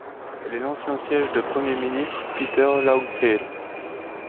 Elle est l'ancien siège de premier ministre Peter Lougheed.